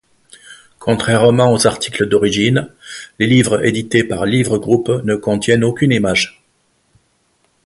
Contrairement aux articles d'origine, les livres édités par Livres Groupe ne contiennent aucune image.